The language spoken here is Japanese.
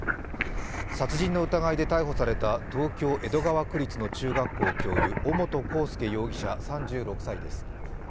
殺人の疑いで逮捕された東京・江戸川区立の中学校の教諭尾本幸祐容疑者３６歳です。